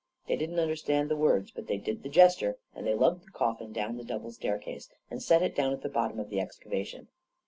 They didn't understand the words, but they did the gesture, and they lugged the coffin down the dou ble staircase, and set it down at the bottom of the excavation.